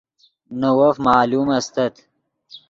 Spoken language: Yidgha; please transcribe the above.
نے وف معلوم استت